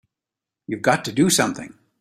You've got to do something!